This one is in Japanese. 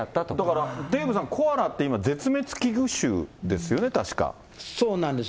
だからデーブさん、コアラって今、そうなんです。